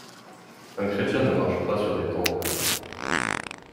Un chrétien ne marche pas sur des tombes.